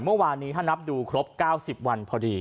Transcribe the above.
เมื่อวานนี้ถ้านับดูครบ๙๐วันพอดี